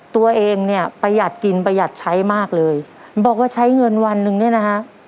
ตัวเองเนี่ยประหยัดกินประหยัดใช้มากเลยบอกว่าใช้เงินวันหนึ่งเนี่ยนะฮะ